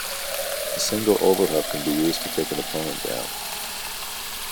A single overhook can be used to take an opponent down.